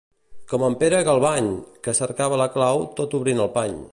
Com en Pere Galvany, que cercava la clau tot obrint el pany.